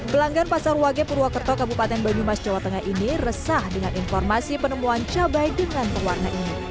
pelanggan pasar wage purwokerto kabupaten banyumas jawa tengah ini resah dengan informasi penemuan cabai dengan pewarna ini